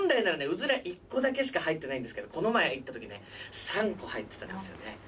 うずら１個だけしか入ってないんですけどこの前行った時ね３個入ってたんですよね。